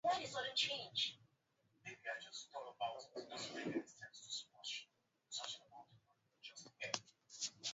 Vitu kadhaa ambavyo hutumiwa na wauajimifuko ya mikonomikanda maalumu ya kupigana